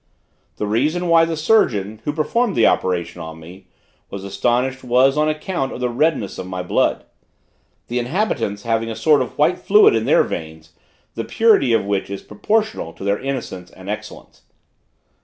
The reason why the surgeon, who performed the operation on me, was astonished, was, on account of the redness of my blood. The inhabitants having a sort of white fluid in their veins, the purity of which is proportional to their innocence and excellence.